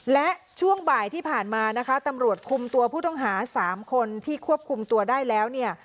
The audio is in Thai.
และช่วงบ่ายที่ผ่านมานะคะตำรวจคุมตัวผู้ต้องหา๓คนที่ควบคุมตัวได้แล้วเนี่ย